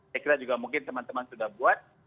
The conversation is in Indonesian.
ya kita juga mungkin teman teman sudah buat